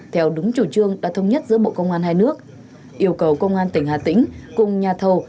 theo đúng chủ trương đã thông nhất giữa bộ công an hai nước yêu cầu công an tỉnh hà tĩnh cùng nhà thầu